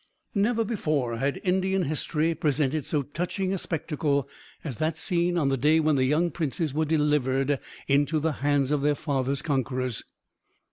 Never before had Indian history presented so touching a spectacle as that seen on the day when the young princes were delivered into the hands of their father's conquerors.